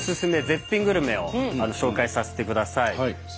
絶品グルメを紹介させてください。